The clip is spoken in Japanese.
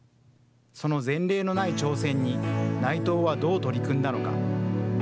その前例のない挑戦に、内藤はどう取り組んだのか。